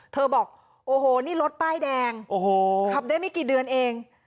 บอกโอ้โหนี่รถป้ายแดงขับได้ไม่กี่เดือนเอง